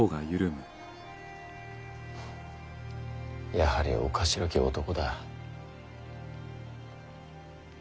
やはりおかしろき男だ。